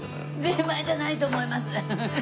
ぜんまいじゃないと思います。